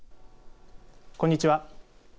こんにちは。